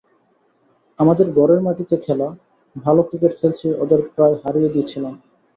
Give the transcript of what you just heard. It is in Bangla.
আমাদের ঘরের মাটিতে খেলা, ভালো ক্রিকেট খেলছি, ওদের প্রায় হারিয়েও দিচ্ছিলাম।